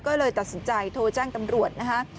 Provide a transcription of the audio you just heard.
ก็เลยตัดสินใจโทรแจ้งตำรวจนะคะ